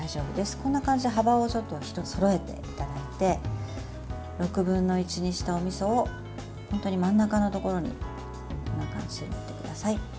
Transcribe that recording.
こんな感じで幅をそろえていただいて６分の１にしたおみそを真ん中のところにこんな感じで塗ってください。